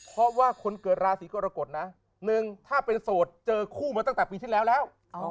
เพราะว่าคนเกิดราศีกรกฎนะหนึ่งถ้าเป็นโสดเจอคู่มาตั้งแต่ปีที่แล้วแล้ว